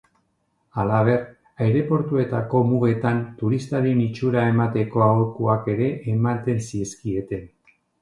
Halaber, aireportuetako mugetan turistaren itxura emateko aholkuak ere ematen zizkieten.